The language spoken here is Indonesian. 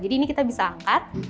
jadi ini kita bisa angkat